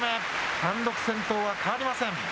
単独先頭は変わりません。